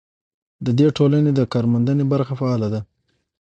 د دې ټولنې د کارموندنې برخه فعاله ده.